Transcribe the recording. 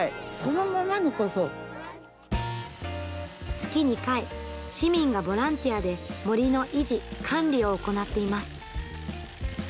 月２回、市民がボランティアで森の維持管理を行っています。